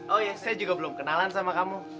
oh ya saya juga belum kenalan sama kamu